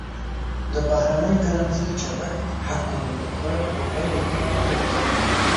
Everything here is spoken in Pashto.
د بهرنۍ کرنسۍ چلښت حق الضرب بل هېواد ته رسوي.